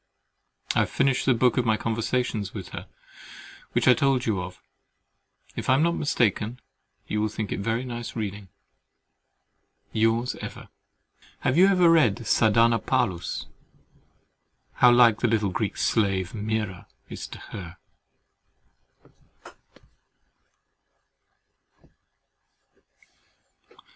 I have finished the book of my conversations with her, which I told you of: if I am not mistaken, you will think it very nice reading. Yours ever. Have you read Sardanapalus? How like the little Greek slave, Myrrha, is to HER!